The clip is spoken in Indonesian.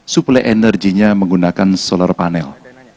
suplai energinya menggunakan solar panel